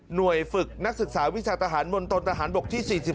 หน่วยฝึกนักศึกษาวิชาทหารบรทหารบที่๔๖